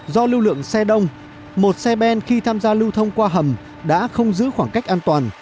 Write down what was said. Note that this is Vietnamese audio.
do lưu lượng xe đông một xe ben khi tham gia lưu thông qua hầm đã không giữ khoảng cách an toàn